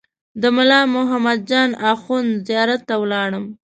د ملا محمد جان اخوند زیارت ته ولاړم.